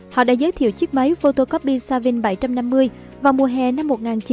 họ đã giới thiệu chiếc máy photocoby savin bảy trăm năm mươi vào mùa hè năm một nghìn chín trăm bảy mươi